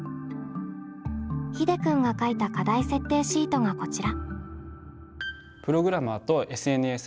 ひでくんが書いた課題設定シートがこちら。